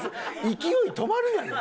勢い止まるやろ。